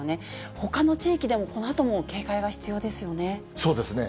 ほかの地域でもこのあとも警戒がそうですね。